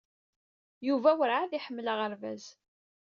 Yuba weṛɛad iḥemmel aɣerbaz?